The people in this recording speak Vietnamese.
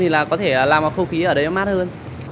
thì là có thể làm khâu khí ở đấy mát hơn